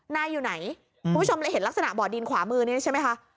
นายอยู่ไหนคุณผู้ชมเลยเห็นลักษณะบ่อดินขวามือนี้ใช่ไหมคะ